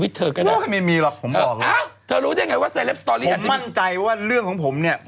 ผมมั่งใจว่าเรื่องของผมนี้